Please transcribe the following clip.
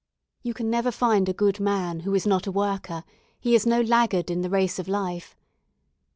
You can never find a good man who is not a worker; he is no laggard in the race of life.